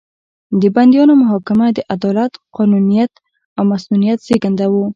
د بندیانو محاکمه د عدالت، قانونیت او مصونیت زېږنده وو.